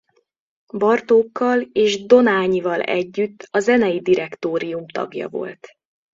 Bartókkal és Dohnányival együtt a zenei direktórium tagja volt.